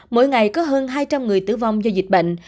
mỗi ngày có hơn hai trăm linh người tử vong do dịch bệnh